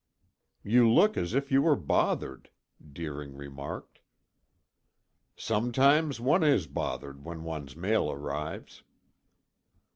"You look as if you were bothered," Deering remarked. "Sometimes one is bothered when one's mail arrives."